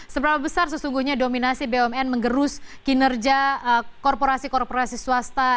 seberapa besar sesungguhnya dominasi bumn mengerus kinerja korporasi korporasi swasta